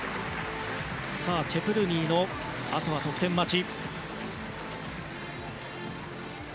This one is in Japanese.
チェプルニーの得点待ち。